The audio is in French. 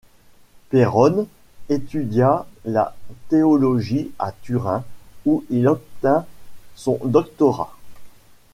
Perrone étudia la théologie à Turin où il obtint son doctorat.